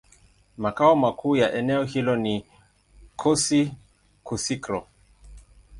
Makao makuu ya eneo hilo ni Kouassi-Kouassikro.